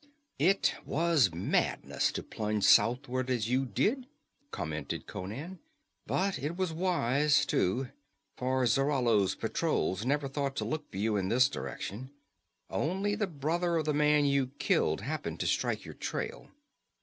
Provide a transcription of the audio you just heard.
"It was madness to plunge southward as you did," commented Conan, "but it was wise, too, for Zarallo's patrols never thought to look for you in this direction. Only the brother of the man you killed happened to strike your trail."